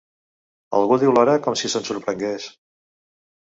Algú diu l'hora com si se'n sorprengués.